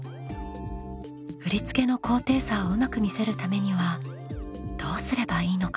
振り付けの高低差をうまく見せるためにはどうすればいいのか？